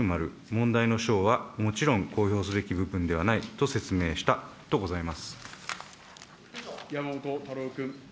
問題の章はもちろん公表すべき部分ではないと説明したとございま山本太郎君。